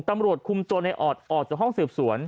ตำรวจคุมตัวในออดออกจากห้องสืบสวน